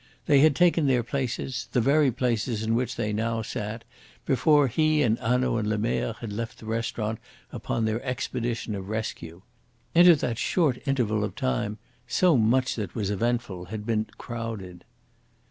They had taken their places, the very places in which they now sat, before he and Hanaud and Lemerre had left the restaurant upon their expedition of rescue. Into that short interval of time so much that was eventful had been crowded.